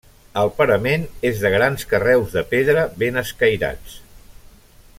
El parament és de grans carreus de pedra ben escairats.